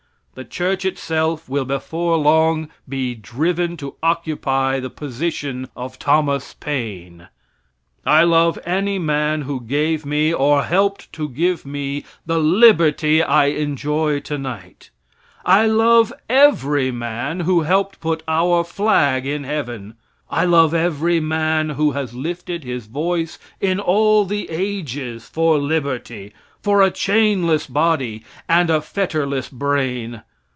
The church itself will before long be driven to occupy the position of Thomas Paine! I love any man who gave me, or helped to give me, the liberty I enjoy tonight. I love every man who helped put our flag in heaven. I love every man who has lifted his voice in all the ages for liberty, for a chainless body, and a fetterless brain.